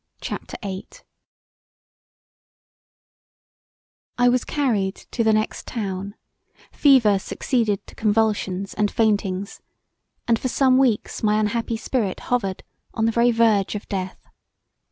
CHAPTER VIII I was carried to the next town: fever succeeded to convulsions and faintings, & for some weeks my unhappy spirit hovered on the very verge of death.